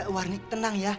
warnick tenang ya